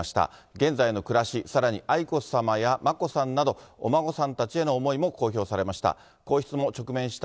現在の暮らし、さらに愛子さまや眞子さんなど、お孫さんたちへの思いも公表されました。